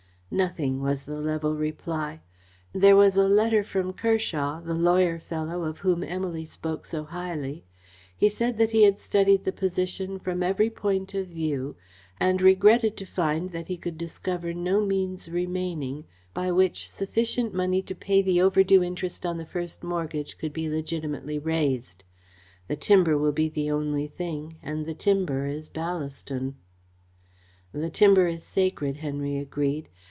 "Nothing," was the level reply. "There was a letter from Kershaw the lawyer fellow of whom Emily spoke so highly. He said that he had studied the position from every point of view and regretted to find that he could discover no means remaining by which sufficient money to pay the overdue interest on the first mortgage could be legitimately raised. The timber will be the only thing, and the timber is Ballaston." "The timber is sacred," Henry agreed.